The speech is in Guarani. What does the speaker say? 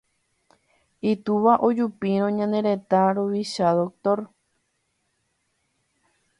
Itúva ojupírõ ñane retã ruvichárõ Dr.